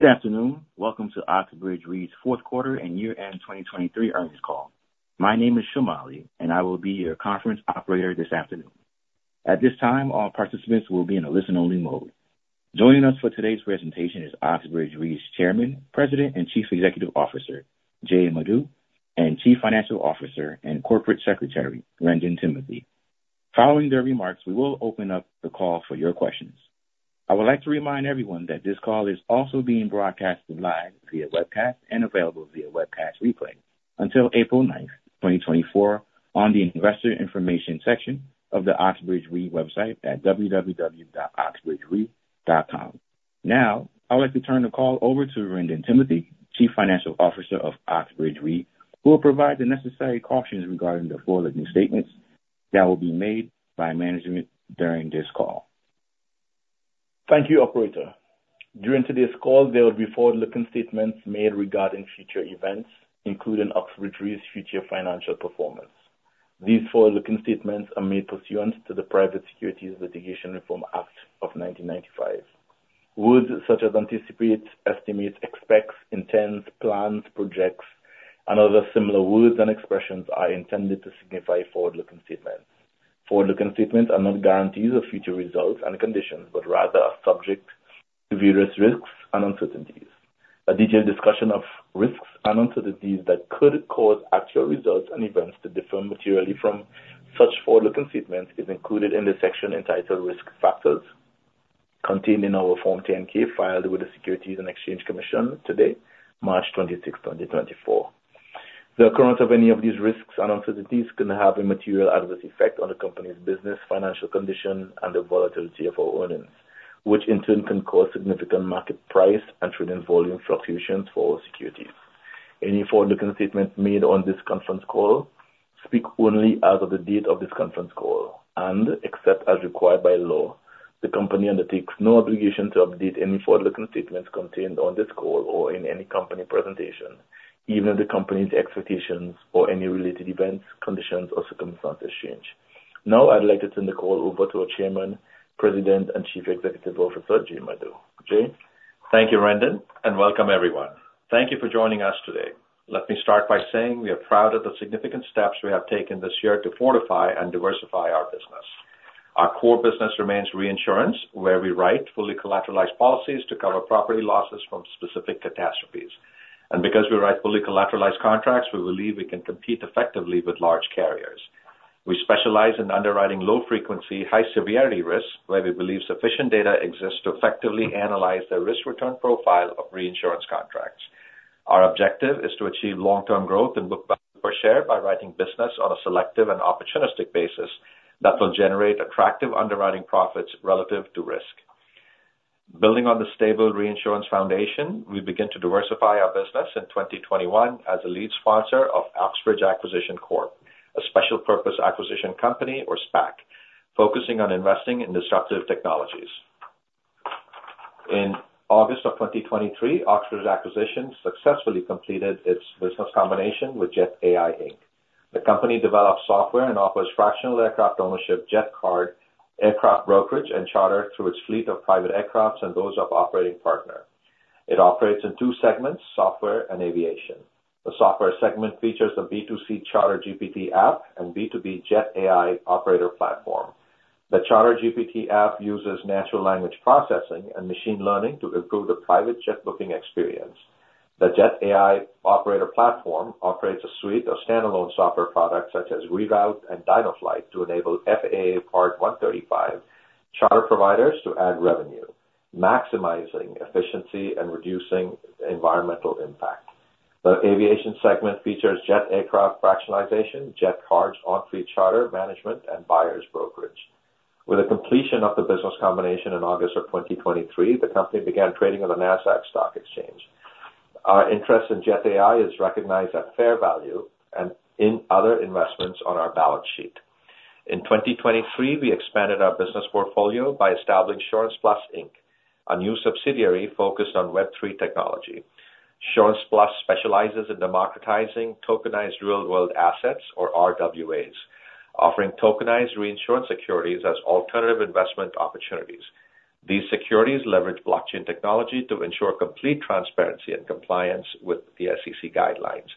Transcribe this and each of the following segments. Good afternoon. Welcome to Oxbridge Re Holdings Limited's fourth quarter and year-end 2023 earnings call. My name is Shumali, and I will be your conference operator this afternoon. At this time, all participants will be in a listen-only mode. Joining us for today's presentation is Oxbridge Re Holdings Limited's Chairman, President, and Chief Executive Officer, Sanjay Madhu, and Chief Financial Officer and Corporate Secretary, Wrendon Timothy. Following their remarks, we will open up the call for your questions. I would like to remind everyone that this call is also being broadcast live via webcast and available via webcast replay until April 9th, 2024, on the investor information section of the Oxbridge Re Holdings Limited website at www.oxbridgere.com. Now, I would like to turn the call over to Wrendon Timothy, Chief Financial Officer of Oxbridge Re, Wrendon Timothy, who will provide the necessary cautions regarding the forward-looking statements that will be made by management during this call. Thank you, operator. During today's call, there will be forward-looking statements made regarding future events, including Oxbridge Re's, future financial performance. These forward-looking statements are made pursuant to the Private Securities Litigation Reform Act of 1995. Words such as anticipate, estimate, expects, intends, plans, projects, and other similar words and expressions are intended to signify forward-looking statements. Forward-looking statements are not guarantees of future results and conditions, but rather are subject to various risks and uncertainties. A detailed discussion of risks and uncertainties that could cause actual results and events to differ materially from such forward-looking statements is included in the section entitled Risk Factors, contained in our Form 10-K filed with the Securities and Exchange Commission today, March 26th, 2024. The occurrence of any of these risks and uncertainties can have a material adverse effect on the company's business, financial condition, and the volatility of our earnings, which in turn can cause significant market price and trading volume fluctuations for our securities. Any forward-looking statement made on this conference call speaks only as of the date of this conference call and, except as required by law, the company undertakes no obligation to update any forward-looking statements contained on this call or in any company presentation, even if the company's expectations or any related events, conditions, or circumstances change. Now, I'd like to turn the call over to our Chairman, President, and Chief Executive Officer, Sanjay Madhu. Jay? Thank you, Wrendon, and welcome, everyone. Thank you for joining us today. Let me start by saying we are proud of the significant steps we have taken this year to fortify and diversify our business. Our core business remains reinsurance, where we write fully collateralized policies to cover property losses from specific catastrophes. And because we write fully collateralized contracts, we believe we can compete effectively with large carriers. We specialize in underwriting low-frequency, high-severity risks, where we believe sufficient data exists to effectively analyze the risk-return profile of reinsurance contracts. Our objective is to achieve long-term growth and book value per share by writing business on a selective and opportunistic basis that will generate attractive underwriting profits relative to risk. Building on the stable reinsurance foundation, we begin to diversify our business in 2021 as a lead sponsor of Oxbridge Acquisition Corp, a special-purpose acquisition company, or SPAC, focusing on investing in disruptive technologies. In August of 2023, Oxbridge Acquisition successfully completed its business combination with Jet.AI, Inc. The company develops software and offers fractional aircraft ownership, jet card, aircraft brokerage, and charter through its fleet of private aircraft and those of operating partner. It operates in two segments, software and aviation. The software segment features the B2C CharterGPT app and B2B Jet.AI Operator platform. The CharterGPT app uses natural language processing and machine learning to improve the private jet booking experience. The Jet.AI Operator platform operates a suite of standalone software products such as Reroute AI and DynoFlight to enable FAA Part 135 charter providers to add revenue, maximizing efficiency and reducing environmental impact. The aviation segment features jet aircraft fractionalization, jet cards on-fleet charter management, and buyers brokerage. With the completion of the business combination in August of 2023, the company began trading on the Nasdaq Stock Exchange. Our interest in Jet.AI is recognized at fair value and in other investments on our balance sheet. In 2023, we expanded our business portfolio by establishing SurancePlus Inc., a new subsidiary focused on Web3 technology. SurancePlus specializes in democratizing tokenized real-world assets, or RWAs, offering tokenized reinsurance securities as alternative investment opportunities. These securities leverage blockchain technology to ensure complete transparency and compliance with the SEC guidelines,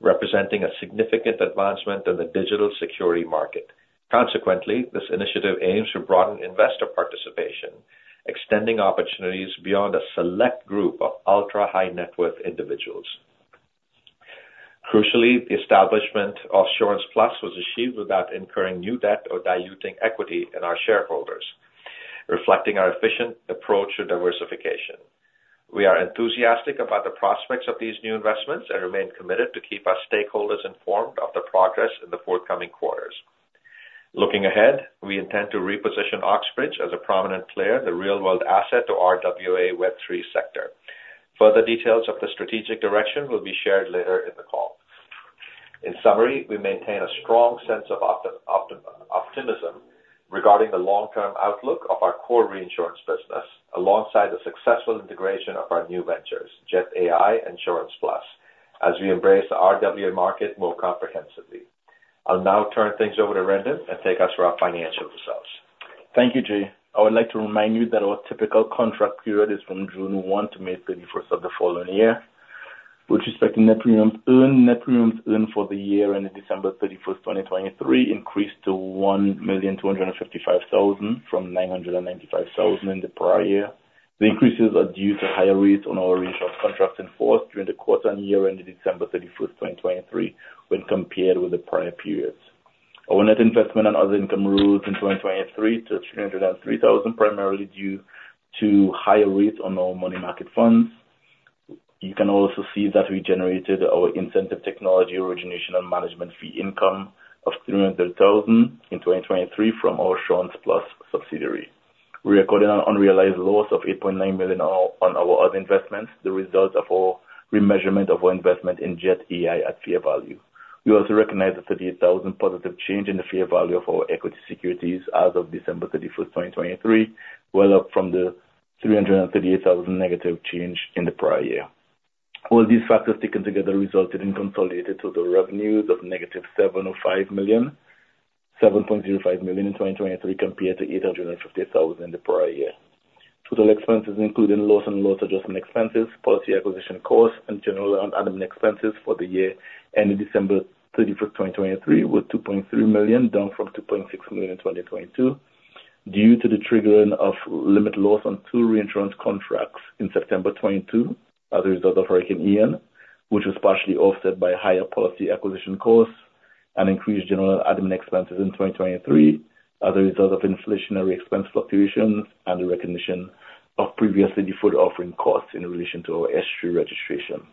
representing a significant advancement in the digital security market. Consequently, this initiative aims to broaden investor participation, extending opportunities beyond a select group of ultra-high-net-worth individuals. Crucially, the establishment of SurancePlus was achieved without incurring new debt or diluting equity in our shareholders, reflecting our efficient approach to diversification. We are enthusiastic about the prospects of these new investments and remain committed to keep our stakeholders informed of the progress in the forthcoming quarters. Looking ahead, we intend to reposition Oxbridge as a prominent player, the real-world asset to RWA Web3 sector. Further details of the strategic direction will be shared later in the call. In summary, we maintain a strong sense of optimism regarding the long-term outlook of our core reinsurance business alongside the successful integration of our new ventures, Jet.AI and SurancePlus, as we embrace the RWA market more comprehensively. I'll now turn things over to Wrendon and take us through our financial results. Thank you, Jay. I would like to remind you that our typical contract period is from June 1st to May 31st of the following year. With respect to net premiums earned for the year ended December 31st, 2023, increased to $1,255,000 from $995,000 in the prior year. The increases are due to higher rates on our reinsurance contracts in force during the quarter and year ended December 31st, 2023, when compared with the prior periods. Our net investment and other income rose in 2023 to $303,000, primarily due to higher rates on our money market funds. You can also see that we generated our insurance technology origination and management fee income of $300,000 in 2023 from our SurancePlus subsidiary. We recorded an unrealized loss of $8.9 million on our other investments, the result of our remeasurement of our investment in Jet.AI at fair value. We also recognize a $38,000 positive change in the fair value of our equity securities as of December 31st, 2023, well up from the $338,000 negative change in the prior year. All these factors taken together resulted in consolidated total revenues of negative $7.05 million in 2023 compared to $850,000 in the prior year. Total expenses, including loss and loss adjustment expenses, policy acquisition costs, and general and admin expenses for the year ended December 31st, 2023, were $2.3 million, down from $2.6 million in 2022, due to the triggering of limit loss on two reinsurance contracts in September 2022 as a result of Hurricane Ian, which was partially offset by higher policy acquisition costs and increased general and admin expenses in 2023 as a result of inflationary expense fluctuations and the recognition of previously deferred offering costs in relation to our S-3 registration.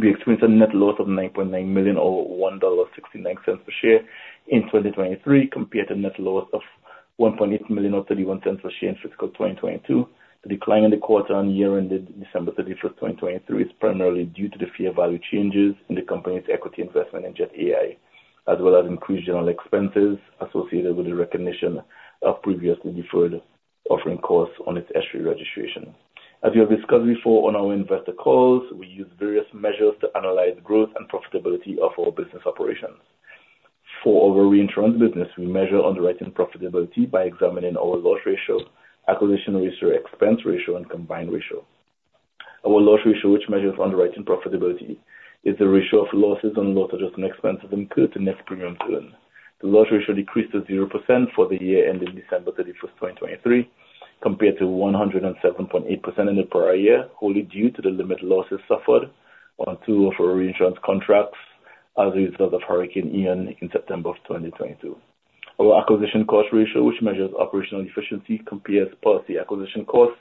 We experienced a net loss of $9.9 million or $1.69 per share in 2023 compared to net loss of $1.8 million or $0.31 per share in fiscal 2022. The decline in the quarter and year ended December 31st, 2023, is primarily due to the fair value changes in the company's equity investment in Jet.AI, as well as increased general expenses associated with the recognition of previously deferred offering costs on its S-3 registration. As we have discussed before on our investor calls, we use various measures to analyze growth and profitability of our business operations. For our reinsurance business, we measure underwriting profitability by examining our loss ratio, acquisition cost ratio, expense ratio, and combined ratio. Our loss ratio, which measures underwriting profitability, is the ratio of losses and loss adjustment expenses incurred to net premiums earned. The loss ratio decreased to 0% for the year ended December 31st, 2023, compared to 107.8% in the prior year, wholly due to the limited losses suffered on two of our reinsurance contracts as a result of Hurricane Ian in September of 2022. Our acquisition cost ratio, which measures operational efficiency, compares policy acquisition costs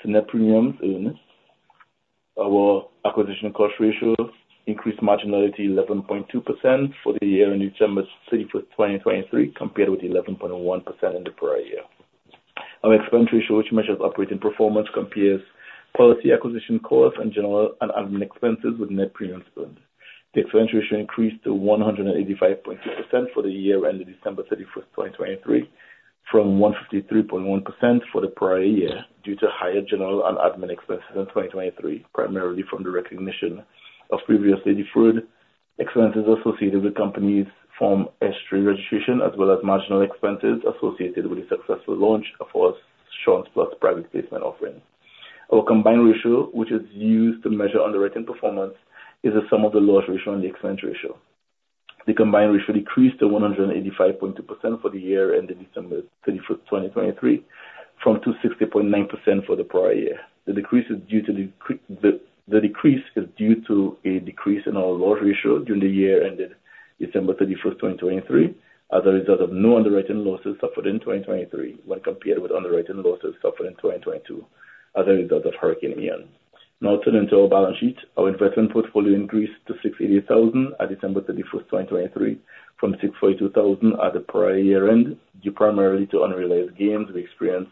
to net premiums earned. Our acquisition cost ratio increased marginally to 11.2% for the year ended December 31st, 2023, compared with 11.1% in the prior year. Our expense ratio, which measures operating performance, compares policy acquisition costs and general and admin expenses with net premiums earned. The expense ratio increased to 185.2% for the year ended December 31st, 2023, from 153.1% for the prior year due to higher general and admin expenses in 2023, primarily from the recognition of previously deferred expenses associated with the company's Form S-3 registration, as well as marginal expenses associated with the successful launch of our SurancePlus private placement offering. Our combined ratio, which is used to measure underwriting performance, is the sum of the loss ratio and the expense ratio. The combined ratio decreased to 185.2% for the year ended December 31st, 2023, from 260.9% for the prior year. The decrease is due to a decrease in our loss ratio during the year ended December 31st, 2023, as a result of no underwriting losses suffered in 2023 when compared with underwriting losses suffered in 2022 as a result of Hurricane Ian. Now, turning to our balance sheet, our investment portfolio increased to $688,000 at December 31st, 2023, from $642,000 at the prior year end due primarily to unrealized gains we experienced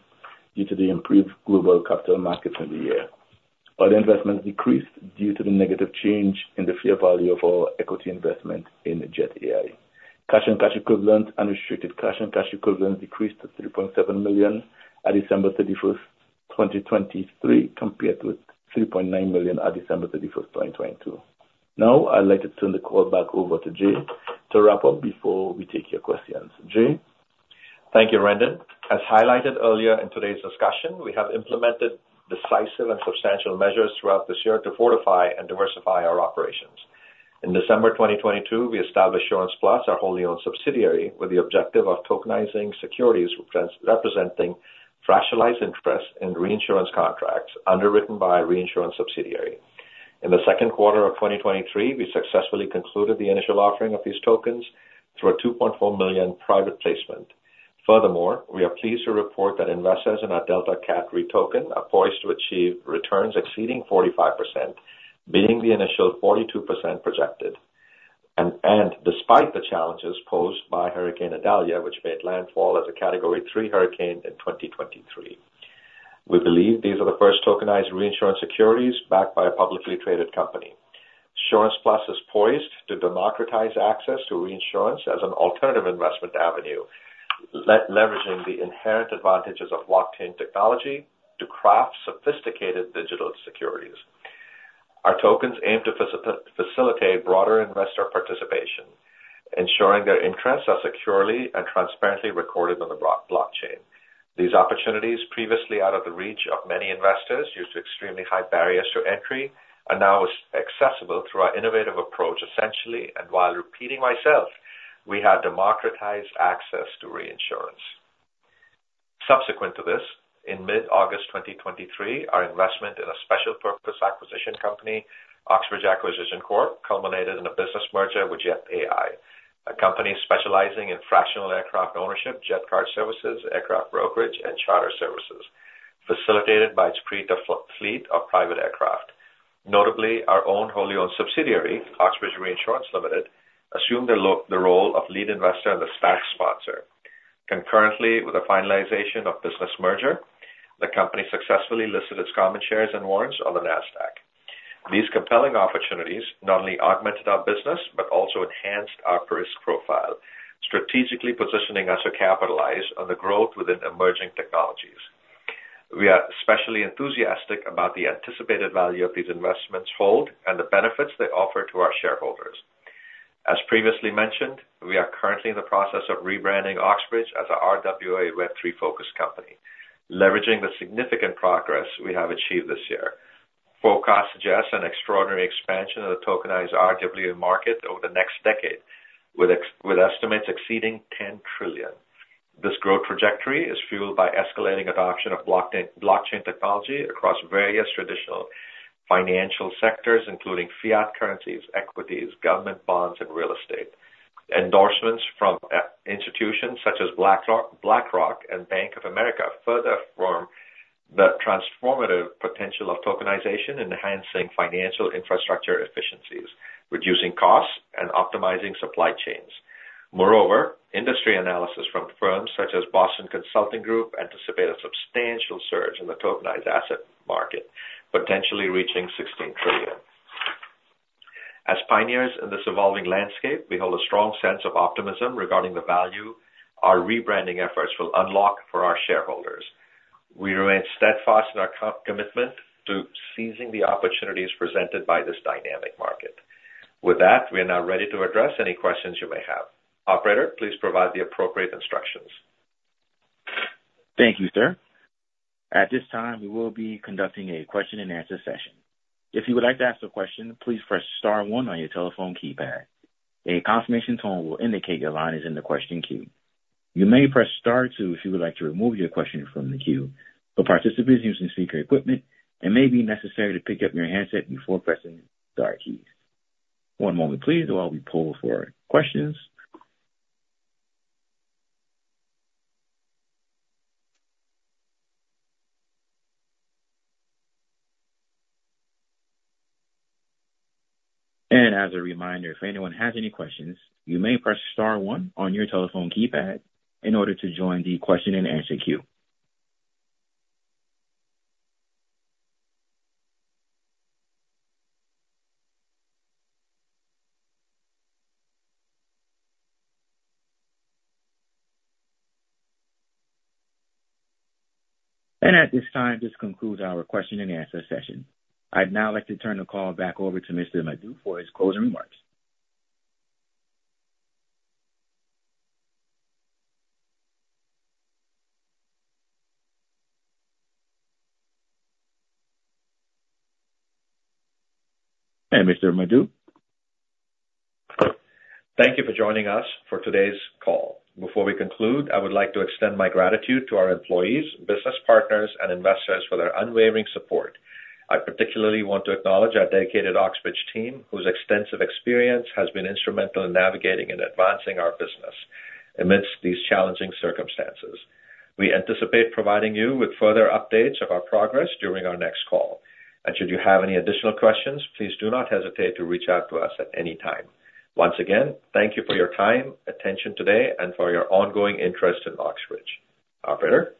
due to the improved global capital markets in the year. Our other investments decreased due to the negative change in the fair value of our equity investment in Jet.AI. Cash and cash equivalents, unrestricted cash and cash equivalents, decreased to $3.7 million at December 31st, 2023, compared with $3.9 million at December 31st, 2022. Now, I'd like to turn the call back over to Jay to wrap up before we take your questions. Jay? Thank you, Wrendon. As highlighted earlier in today's discussion, we have implemented decisive and substantial measures throughout this year to fortify and diversify our operations. In December 2022, we established SurancePlus, our wholly-owned subsidiary, with the objective of tokenizing securities representing fractionalized interest in reinsurance contracts underwritten by a reinsurance subsidiary. In the second quarter of 2023, we successfully concluded the initial offering of these tokens through a $2.4 million private placement. Furthermore, we are pleased to report that investors in our DeltaCat Re Token are poised to achieve returns exceeding 45%, beating the initial 42% projected, and despite the challenges posed by Hurricane Idalia, which made landfall as a Category 3 hurricane in 2023. We believe these are the first tokenized reinsurance securities backed by a publicly traded company. SurancePlus is poised to democratize access to reinsurance as an alternative investment avenue, leveraging the inherent advantages of blockchain technology to craft sophisticated digital securities. Our tokens aim to facilitate broader investor participation, ensuring their interests are securely and transparently recorded on the blockchain. These opportunities, previously out of the reach of many investors due to extremely high barriers to entry, are now accessible through our innovative approach, essentially. And while repeating myself, we have democratized access to reinsurance. Subsequent to this, in mid-August 2023, our investment in a special-purpose acquisition company, Oxbridge Acquisition Corp, culminated in a business merger with Jet.AI, a company specializing in fractional aircraft ownership, jet card services, aircraft brokerage, and charter services, facilitated by its fleet of private aircraft. Notably, our own wholly-owned subsidiary, Oxbridge Reinsurance Limited, assumed the role of lead investor and the SPAC sponsor. Concurrently with the finalization of business merger, the company successfully listed its common shares and warrants on the Nasdaq. These compelling opportunities not only augmented our business but also enhanced our risk profile, strategically positioning us to capitalize on the growth within emerging technologies. We are especially enthusiastic about the anticipated value of these investments hold and the benefits they offer to our shareholders. As previously mentioned, we are currently in the process of rebranding Oxbridge as an RWA Web3-focused company, leveraging the significant progress we have achieved this year. Forecasts suggest an extraordinary expansion of the tokenized RWA market over the next decade, with estimates exceeding $10 trillion. This growth trajectory is fueled by escalating adoption of blockchain technology across various traditional financial sectors, including fiat currencies, equities, government bonds, and real estate. Endorsements from institutions such as BlackRock and Bank of America further affirm the transformative potential of tokenization in enhancing financial infrastructure efficiencies, reducing costs, and optimizing supply chains. Moreover, industry analysis from firms such as Boston Consulting Group anticipate a substantial surge in the tokenized asset market, potentially reaching $16 trillion. As pioneers in this evolving landscape, we hold a strong sense of optimism regarding the value our rebranding efforts will unlock for our shareholders. We remain steadfast in our commitment to seizing the opportunities presented by this dynamic market. With that, we are now ready to address any questions you may have. Operator, please provide the appropriate instructions. Thank you, sir. At this time, we will be conducting a question-and-answer session. If you would like to ask a question, please press star one on your telephone keypad. A confirmation tone will indicate your line is in the question queue. You may press star two if you would like to remove your question from the queue. For participants using speaker equipment, it may be necessary to pick up your handset before pressing star keys. One moment, please, while we poll for questions. As a reminder, if anyone has any questions, you may press star one on your telephone keypad in order to join the question-and-answer queue. At this time, this concludes our question-and-answer session. I'd now like to turn the call back over to Mr. Madhu for his closing remarks. And Mr. Madhu? Thank you for joining us for today's call. Before we conclude, I would like to extend my gratitude to our employees, business partners, and investors for their unwavering support. I particularly want to acknowledge our dedicated Oxbridge team, whose extensive experience has been instrumental in navigating and advancing our business amidst these challenging circumstances. We anticipate providing you with further updates of our progress during our next call. And should you have any additional questions, please do not hesitate to reach out to us at any time. Once again, thank you for your time, attention today, and for your ongoing interest in Oxbridge. Operator?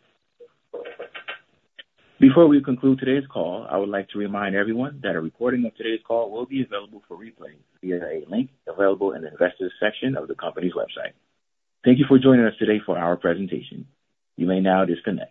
Before we conclude today's call, I would like to remind everyone that a recording of today's call will be available for replay via a link available in the investors' section of the company's website. Thank you for joining us today for our presentation. You may now disconnect.